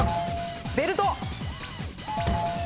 ベルト。